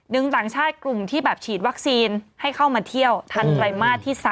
ต่างชาติกลุ่มที่แบบฉีดวัคซีนให้เข้ามาเที่ยวทันไตรมาสที่๓